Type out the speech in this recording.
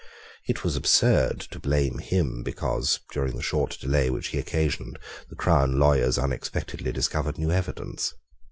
It was absurd to blame him because, during the short delay which he occasioned, the crown lawyers unexpectedly discovered new evidence.